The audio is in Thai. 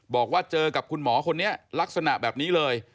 บอกว่าเจอกับคุณหมอคนนี้ลักษณะแบบนี้เลย